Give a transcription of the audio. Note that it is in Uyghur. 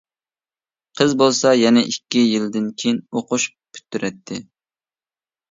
قىز بولسا يەنە ئىككى يىلدىن كېيىن ئوقۇش پۈتتۈرەتتى.